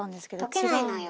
溶けないのよ。